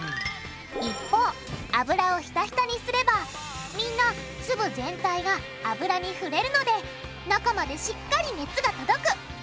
一方油をひたひたにすればみんな粒全体が油に触れるので中までしっかり熱が届く。